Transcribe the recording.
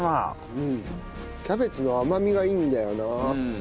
キャベツの甘みがいいんだよな。